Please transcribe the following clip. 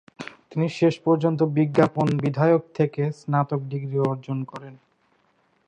তিনি শেষ পর্যন্ত বিজ্ঞাপন বিধায়ক থেকে স্নাতক ডিগ্রী অর্জন করেন।